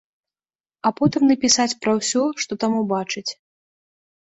А потым напісаць пра ўсё, што там убачыць.